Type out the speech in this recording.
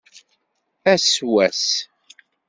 Ass wass.